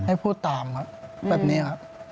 ให้พูดตามครับแบบนี้ครับ